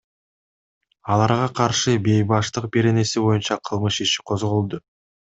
Аларга каршы Бейбаштык беренеси боюнча кылмыш иши козголду.